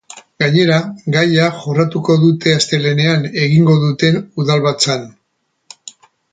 Gainera, gaia jorratuko dute astelehenean egingo duten udalbatzan.